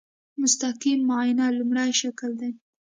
مستقیم معاینه لومړی شکل دی.